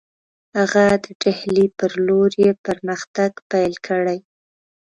هغه د ډهلي پر لور یې پرمختګ پیل کړی.